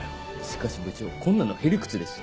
しかし部長こんなのヘリクツです。